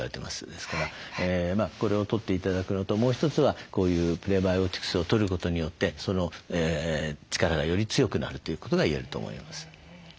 ですからこれをとって頂くのともう一つはこういうプレバイオティクスをとることによってその力がより強くなるということが言えると思います。